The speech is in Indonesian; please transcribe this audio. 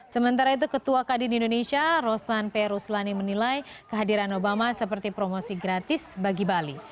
sementara itu ketua kadin indonesia rosan p ruslani menilai kehadiran obama seperti promosi gratis bagi bali